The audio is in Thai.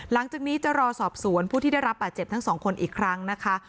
หลังจากนี้จะรอสอบสวนผู้ที่ได้รับบาดเจ็บทั้งสองคนอีกครั้งนะคะ